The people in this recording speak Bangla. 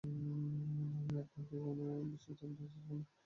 আমি আপনাকে কোনও বিষয়ে চাপ দেওয়ার চেষ্টা করছি না, মিস ক্রস।